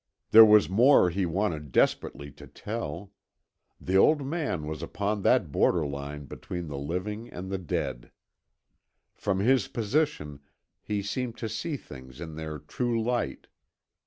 There was more he wanted desperately to tell. The old man was upon that borderline between the living and the dead. From his position, he seemed to see things in their true light.